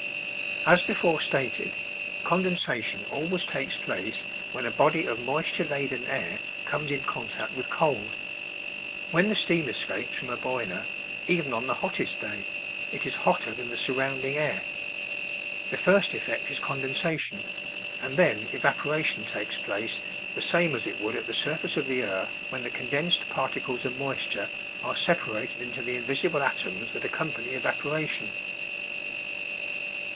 As before stated, condensation always takes place when a body of moisture laden air comes in contact with cold. When the steam escapes from a boiler, even on the hottest day, it is hotter than the surrounding air; the first effect is condensation, and then evaporation takes place the same as it would at the surface of the earth when the condensed particles of moisture are separated into the invisible atoms that accompany evaporation.